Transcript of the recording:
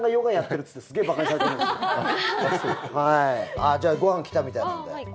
あっ、じゃあご飯が来たみたいなので。